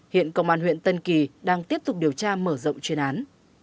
hiện công an huyện tân kỳ đang tiếp tục điều tra mở rộng chuyên án